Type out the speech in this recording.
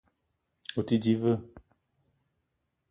O te di ve?